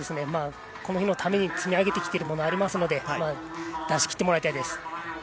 この日のために積み上げてきているものがありますので出し切ってもらいたいです。